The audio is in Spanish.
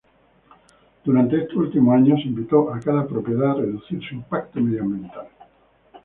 Durante estos últimos años, se invitó a cada propiedad a reducir su impacto medioambiental.